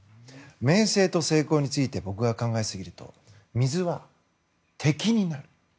名声と成功について僕が考えすぎると水は敵になり得る。